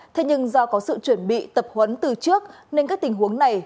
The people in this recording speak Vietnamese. thế nhưng do có sự chuẩn bị tập huấn từ trước nên các tình huống này